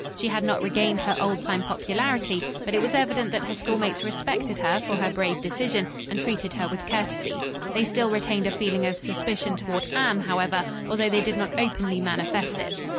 She had not regained her old time popularity, but it was evident that her schoolmates respected her for her brave decision and treated her with courtesy. They still retained a feeling of suspicion toward Anne, however, although they did not openly manifest it.